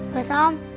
gak usah om